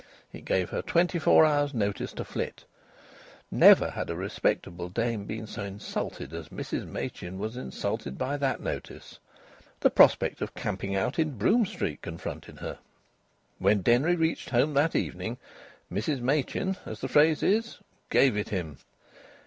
It gave her twenty four hours to flit. Never had a respectable dame been so insulted as Mrs Machin was insulted by that notice. The prospect of camping out in Brougham Street confronted her. When Denry reached home that evening, Mrs Machin, as the phrase is, "gave it him."